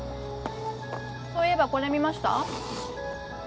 そういえばこれ見ました？